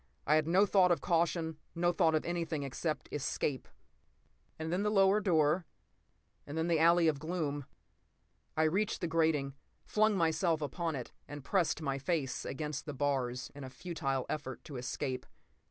I had no thought of caution, no thought of anything except escape. And then the lower door, and the alley of gloom. I reached the grating, flung myself upon it and pressed my face against the bars in a futile effort to escape.